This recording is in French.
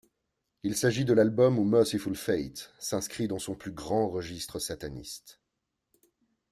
Il s'agit de l'album où Mercyful Fate s'inscrit dans son plus grand registre sataniste.